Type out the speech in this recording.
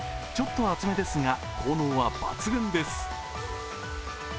ちょっと熱めですが、効能は抜群です。